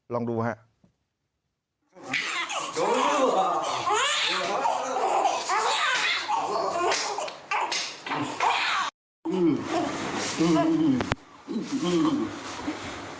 ลองดูไหม